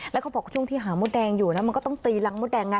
แล้วเขาบอกช่วงที่หามดแดงอยู่นะมันก็ต้องตีรังมดแดงไง